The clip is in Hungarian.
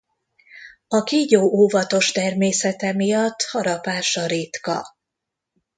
A kígyó óvatos természete miatt harapása ritka.